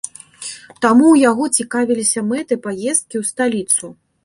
Там у яго цікавіліся мэтай паездкі ў сталіцу.